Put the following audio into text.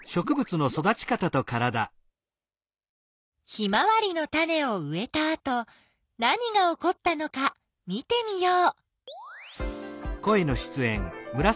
ヒマワリのタネをうえたあと何がおこったのか見てみよう。